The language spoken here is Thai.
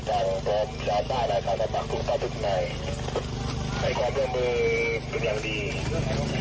๓ชั่วโมงนี้ขาลงนะฮะขาขึ้นเอาอีก๓ชั่วโมงร่วม๗ชั่วโมงนะครับครับ